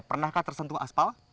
pernahkah tersentuh aspal